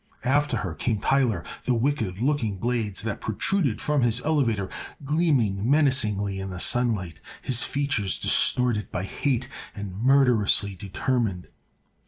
After her came Tyler, the wicked looking blades that protruded from his elevator gleaming menacingly in the sunlight, his features distorted by hate and murderously determined.